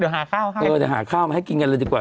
เดี๋ยวหาข้าวค่ะเออเดี๋ยวหาข้าวมาให้กินกันเลยดีกว่า